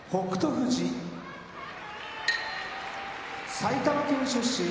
富士埼玉県出身